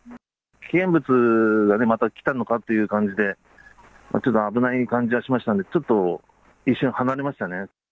危険物がまたきたのかという感じで、ちょっと危ない感じはしましたんで、ちょっと一瞬離れましたね。